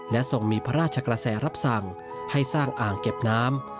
และทรงมีพระราชกระแสรับสั่งให้สร้างอ่างเก็บน้ำ